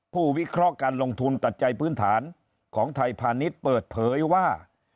ผู้วิเคราการลงทุนตัดใจพื้นฐานของไทยพาณิชย์เปิดเผยว่า